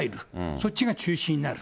そっちが中心になる。